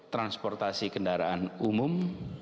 transportasi kendaraan umum